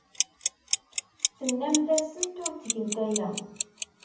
Tennamt-asent ur ttgent aya.